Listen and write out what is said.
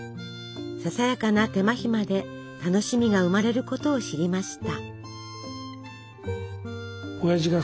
ささやかな手間暇で楽しみが生まれることを知りました。